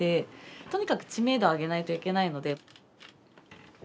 とにかく知名度を上げないといけないので。